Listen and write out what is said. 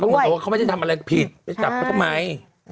ตำรวจว่าเขาไม่ได้ทำอะไรผิดไม่ได้จับเขาทำไม